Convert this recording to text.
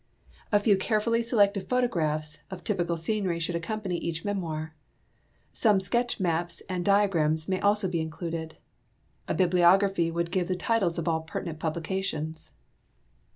A few carefully selected photographs of typical scenery should accompany each memoir. Some sketch maps and dia grams may also be included. A bibliography would give the titles of all pertinent publications.